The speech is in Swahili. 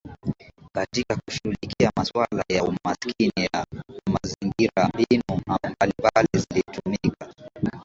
Katika kushughulikia masuala ya umaskini na mazingira mbinu mbalimbali zilitumika